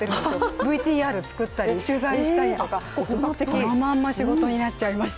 ＶＴＲを作ったり取材したりとかそのまんま仕事になっちゃいました。